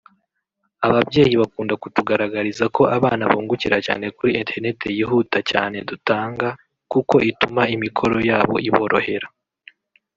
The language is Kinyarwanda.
Ababyeyi bakunda kutugaragariza ko abana bungukira cyane kuri Internet yihuta cyane dutanga kuko ituma imikoro yabo iborohera